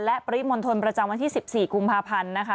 และปริมณฑลประจำวันที่๑๔กุมภาพันธ์นะคะ